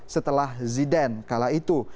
setelah zidane kala itu